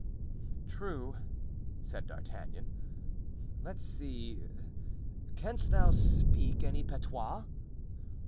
"True," said D'Artagnan. "Let's see. Canst thou speak any patois?"